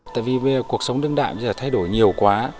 tại vì cuộc sống đương đại bây giờ thay đổi nhiều quá